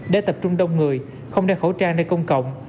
để tập trung đông người không đeo khẩu trang nơi công cộng